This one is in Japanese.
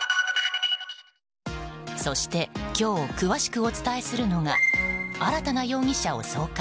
そして今日詳しくお伝えするのが新たな容疑者を送還。